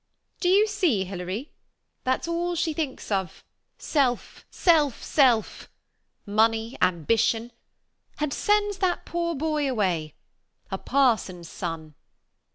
D'you see, Hilary! That's all she thinks of — self — self — self ! Money — ambition — and sends that poor boy away. A parson's son